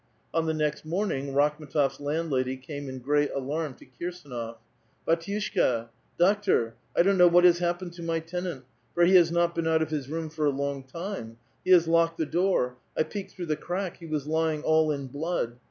On the next morning, Rakhm^tof s landlady came in great alarm to Kirsdnof: *'' Bdtivshkal doctor,! don't know what has happened to my tenant ; he has not been out of his room for a long time ; he has locked the door ; I peeked through the crack ; he was lying all in blood.